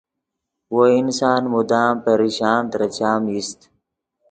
وو انسان مدام پریشان ترے چام ایست